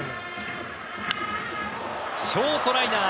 ショートライナー。